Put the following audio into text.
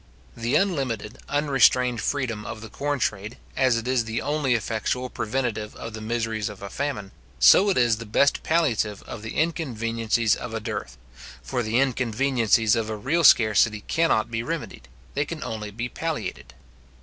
The unlimited, unrestrained freedom of the corn trade, as it is the only effectual preventive of the miseries of a famine, so it is the best palliative of the inconveniencies of a dearth; for the inconveniencies of a real scarcity cannot be remedied; they can only be palliated.